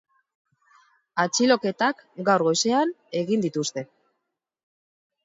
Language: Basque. Atxiloketak gaur goizean egin dituzte.